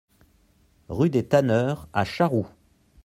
Rue des Tanneurs à Charroux